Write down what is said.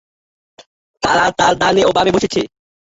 তারা তাঁর ডানে ও বামে বসেছে।